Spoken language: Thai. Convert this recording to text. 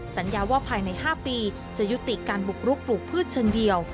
สัญญาว่าภายใน๕ปีจะยุติการบุกรุกปลูกพืชเชิงเดียว